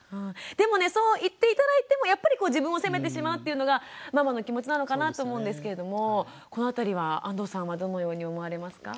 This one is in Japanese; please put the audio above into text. でもねそう言って頂いてもやっぱり自分を責めてしまうっていうのがママの気持ちなのかなと思うんですけれどもこのあたりは安藤さんはどのように思われますか？